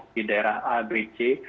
di daerah a b c